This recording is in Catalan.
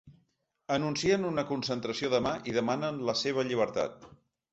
Anuncien una concentració demà i demanen la seva llibertat.